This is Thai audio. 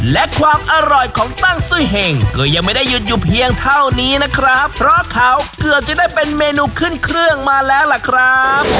และความอร่อยของตั้งซุ้ยเห็งก็ยังไม่ได้หยุดอยู่เพียงเท่านี้นะครับเพราะเขาเกือบจะได้เป็นเมนูขึ้นเครื่องมาแล้วล่ะครับ